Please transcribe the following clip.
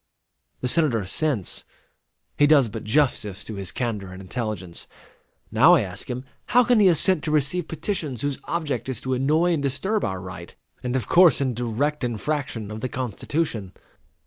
The Senator assents. He does but justice to his candor and intelligence. Now I ask him, how can he assent to receive petitions whose object is to annoy and disturb our right, and of course in direct infraction of the Constitution?